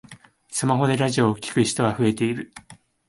スマホでラジオを聞く人が増えている